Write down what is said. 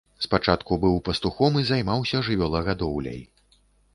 Спачатку быў пастухом і займаўся жывёлагадоўляй.